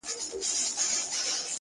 • دا يې زېری دطغيان دی -